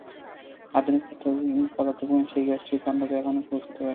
আধুনিক পদার্থবিজ্ঞান সেই গাছটির কাণ্ডতে এখনো পৌঁছাতে পারেনি।